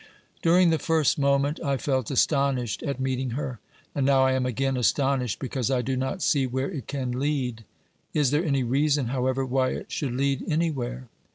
During the first moment I felt astonished at meeting her, and now I am again astonished because I do not see where it can lead. Is there any reason, however, why it should lead anywhere